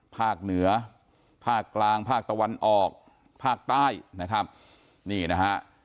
ภาคเหนือภาคกลางภาคตะวันออกภาคใต้นะครับนี่นะฮะ